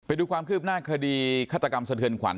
ไปดูความคืบหน้าคดีฆาตกรรมสะเทือนขวัญ